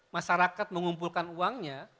masyarakat mengumpulkan uangnya